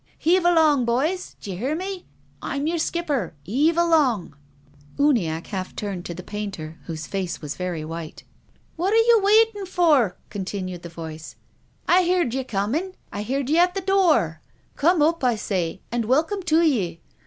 Heave along, boys! D'ye hear me! I'm your skipper. Heave along !" Uniacke half turned to the painter, whose face was very white. " What are ye waitin' for ?" continued the voice. " I heard ye comin*. I heard ye at the door. Come up, I say, and welcome to ye